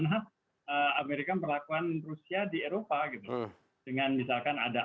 bagaimana amerika melakukan rusia di eropa dengan misalkan ada